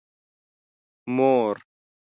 مور